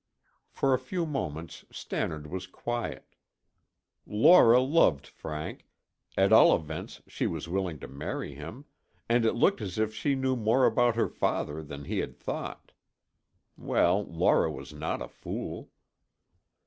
For a few moments Stannard was quiet. Laura loved Frank; at all events she was willing to marry him, and it looked as if she knew more about her father than he had thought. Well, Laura was not a fool.